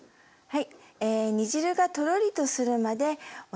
はい。